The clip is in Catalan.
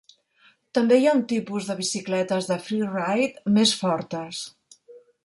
També hi ha un tipus de bicicletes de freeride més fortes.